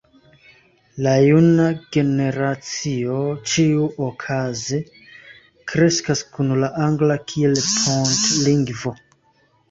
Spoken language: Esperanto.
la juna generacio ĉiuokaze kreskas kun la angla kiel pontlingvo.